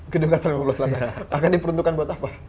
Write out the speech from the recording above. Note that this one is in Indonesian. gedung kantor lima belas lantai akan diperuntukkan buat apa